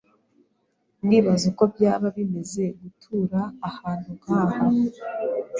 Ndibaza uko byaba bimeze gutura ahantu nkaha.